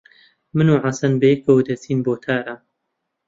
من و حەسەن بەیەکەوە دەچین بۆ تاران.